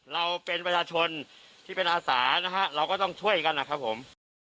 เราเป็นประชาชนที่เป็นอาสานะฮะเราก็ต้องช่วยกันนะครับผม